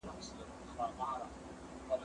هغه وويل چي شګه مهمه ده!.